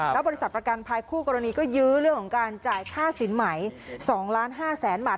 แล้วบริษัทประกันภัยคู่กรณีก็ยื้อเรื่องของการจ่ายค่าสินใหม่๒ล้าน๕แสนบาท